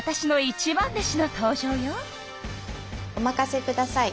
おまかせください。